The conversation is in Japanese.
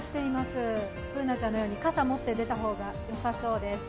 Ｂｏｏｎａちゃんのように傘を持って出た方がよさそうです。